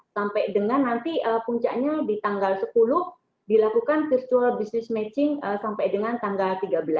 sampai dengan nanti puncaknya di tanggal sepuluh dilakukan virtual business matching sampai dengan tanggal tiga belas